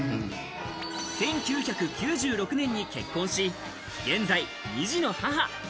１９９６年に結婚し、現在２児の母。